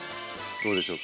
どうでしょうか